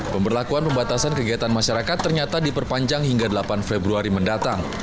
pemberlakuan pembatasan kegiatan masyarakat ternyata diperpanjang hingga delapan februari mendatang